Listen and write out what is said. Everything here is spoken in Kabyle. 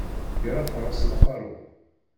Yal aterras d aqeṛṛu.